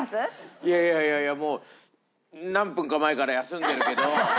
いやいやいやいやもう何分か前から休んでるけど。